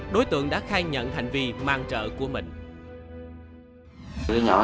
đối tượng đã khai nhận hành vi mang chợ của mình